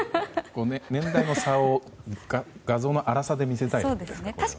年代の差を画像の粗さで見せたいんですか。